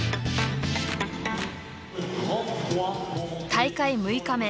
大会６日目。